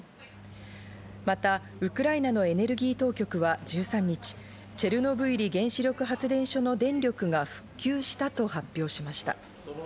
また、ウクライナのエネルギー当局は１３日、チェルノブイリ原子力発電所の電力が復旧したと発表しました。